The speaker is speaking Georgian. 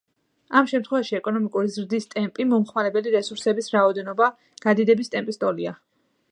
ამ შემთხვევაში ეკონომიკური ზრდის ტემპი მოხმარებული რესურსების რაოდენობის გადიდების ტემპის ტოლია.